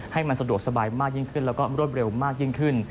ให้มันสะดวกสบายมากยิ่งขึ้นแล้วก็รวดเร็วมากยิ่งขึ้น